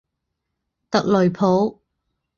特雷普。